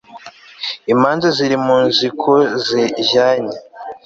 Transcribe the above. imanza ziri mu nkiko zijyanye